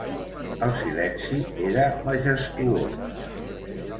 El silenci era majestuós.